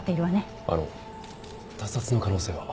あの他殺の可能性は？